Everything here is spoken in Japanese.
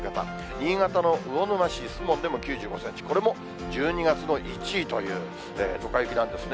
新潟の魚沼市守門でも９５センチ、これも１２月の１位というドカ雪なんですね。